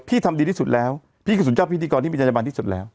ทำดีที่สุดแล้วพี่คือสุดยอดพิธีกรที่มีจัญญบันที่สุดแล้ว